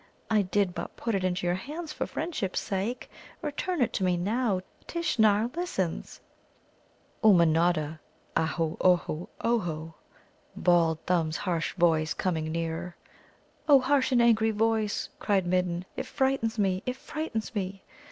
I did but put it into your hands for friendship's sake. Return it to me now. Tishnar listens." "Ummanodda! Ahôh, ahôh, ahôh!" bawled Thumb's harsh voice, coming nearer. "Oh, harsh and angry voice," cried the Midden, "it frightens me it frightens me.